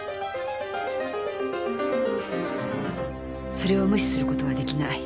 それを無視する事は出来ない。